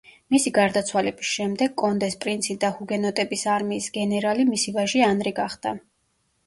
მისი გარდაცვალების შემდეგ კონდეს პრინცი და ჰუგენოტების არმიის გენერალი მისი ვაჟი ანრი გახდა.